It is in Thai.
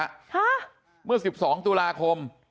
ฮะเมื่อ๑๒ตุลาคม